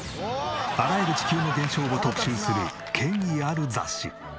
あらゆる地球の現象を特集する権威ある雑誌。